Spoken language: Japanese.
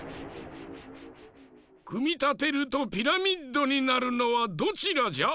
くみたてるとピラミッドになるのはどちらじゃ？